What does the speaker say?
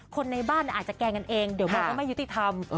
คนในบ้านอาจจะแกล้งกันเองเดี๋ยวมองว่าไม่ยุติธรรม